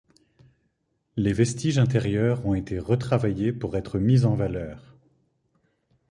Les vestiges intérieurs ont été retravaillés pour être mis en valeur.